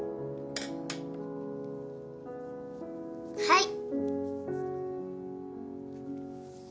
はい。